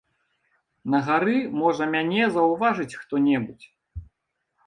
На гары, можа, мяне заўважыць хто-небудзь.